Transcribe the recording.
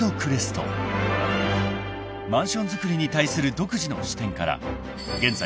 ［マンションづくりに対する独自の視点から現在］